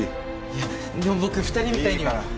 いやでも僕２人みたいには。いいから。